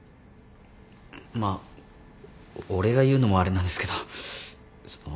まあ俺が言うのもあれなんですけどその。